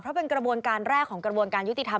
เพราะเป็นกระบวนการแรกของกระบวนการยุติธรรม